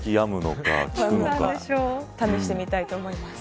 試してみたいと思います。